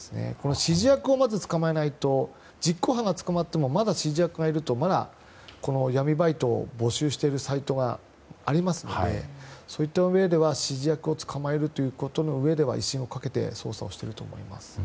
指示役をまず捕まえないと実行犯が捕まってもまだ指示役がいるとまだ闇バイトを募集しているサイトがありますのでそういった上では指示役を捕まえるうえでは威信をかけて捜査をしていると思います。